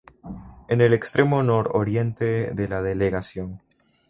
En el extremo nor-oriente de la delegación.